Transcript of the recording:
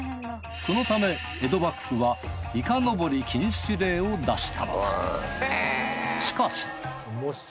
そのため江戸幕府はいかのぼり禁止令を出したのだ。